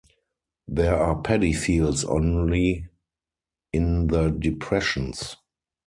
There are paddy fields only in the depressions.